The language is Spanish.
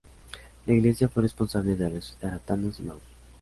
La iglesia fue responsable de resucitar a Thanos y Magus.